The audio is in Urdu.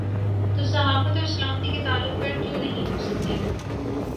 تو صحافت اور سلامتی کے تعلق پر کیوں نہیں ہو سکتی؟